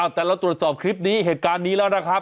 แต่เราตรวจสอบคลิปนี้เหตุการณ์นี้แล้วนะครับ